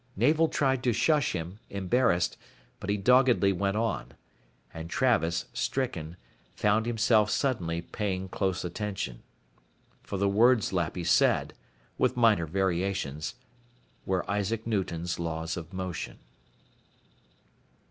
Navel tried to shush him, embarrassed, but he doggedly went on. And Travis, stricken, found himself suddenly paying close attention. For the words Lappy said, with minor variations, were Isaac Newton's Laws of Motion.